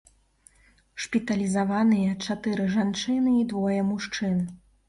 Шпіталізаваныя чатыры жанчыны і двое мужчын.